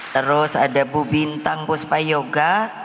terus ada bu bintang buspayoga